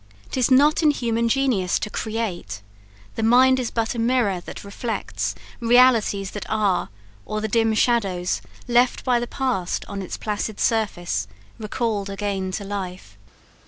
'Tis not in human genius to create: The mind is but a mirror that reflects Realities that are, or the dim shadows Left by the past upon its placid surface Recalled again to life."